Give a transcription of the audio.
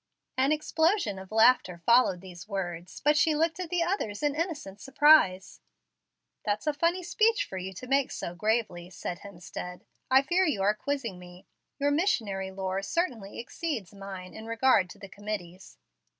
An explosion of laughter followed these words, but she looked at the others in innocent surprise. "That's a funny speech for you to make so gravely," said Hemstead. "I fear you are quizzing me. Your missionary lore certainly exceeds mine in regard to the 'committees.'